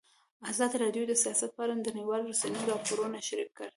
ازادي راډیو د سیاست په اړه د نړیوالو رسنیو راپورونه شریک کړي.